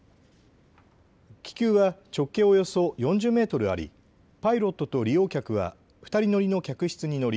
気球は直径およそ４０メートルあり、パイロットと利用客は２人乗りの客室に乗り